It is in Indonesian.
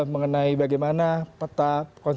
mengenai bagaimana peta konsulis